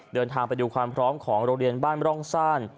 เดินทางไปดูความพร้อมของโรงเรียนบ้านร่องซ่าน